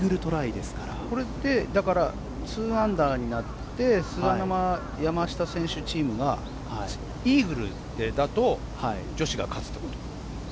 だからこれで２アンダーになって菅沼・山下選手チームがイーグルだと女子が勝つということ？